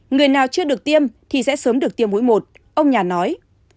người nào chưa được tiêm thì sẽ sớm được tiêm mũi một ông nhà nói